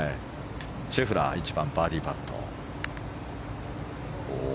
シェフラー、１番バーディーパット。